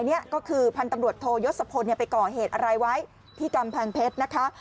อันนี้ก็คือพันธุ์ตำรวจโทยศพลไปก่อเหตุอะไรไว้ที่กำแพงเพชรนะคะ